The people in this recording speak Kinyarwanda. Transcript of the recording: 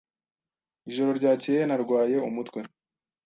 Ijoro ryakeye narwaye umutwe.